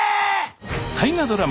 大河ドラマ